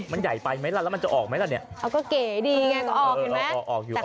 มันใหญ่ไปไหมล่ะแล้วมันจะออกไหมล่ะเนี่ยเอาก็เก๋ดีไงก็ออกเห็นไหมออกออกอยู่